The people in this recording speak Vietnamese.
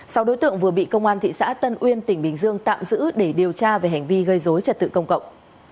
sau đối tượng vừa bị công an thị xã tân uyên tỉnh bình dương tạm giữ để điều tra về hành vi gây dối trật tự công cộng